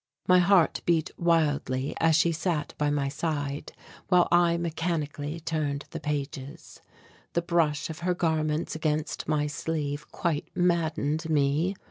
My heart beat wildly as she sat by my side, while I mechanically turned the pages. The brush of her garments against my sleeve quite maddened me.